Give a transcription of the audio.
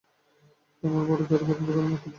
তোমার বড় দুদু পছন্দ না কি ছোট দুদু?